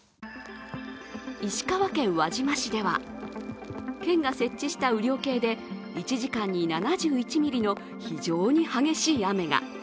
石川県輪島市では県が設置した雨量計で１時間に７１ミリの非常に激しい雨が。